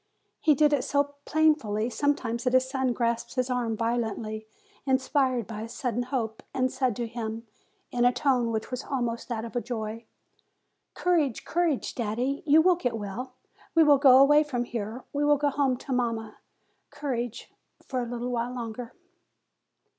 He did it so plainly some times that his son grasped his arm violently, inspired 138 FEBRUARY by a sudden hope, and said to him in a tone which was almost that of joy, "Courage, courage, daddy; you will get well, we will go away from here, we will go home to mamma; courage, for a little while longer!"